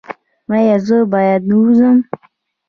ایا زه باید ووځم؟